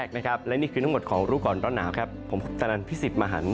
เช่นที่